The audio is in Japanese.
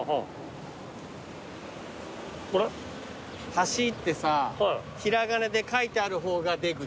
橋ってさ平仮名で書いてある方が出口。